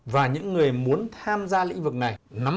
và những người muốn tham gia lĩnh vực này